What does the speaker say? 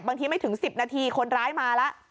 บางทีไม่ถึงสิบนาทีคนร้ายมาแล้ว